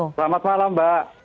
selamat malam mbak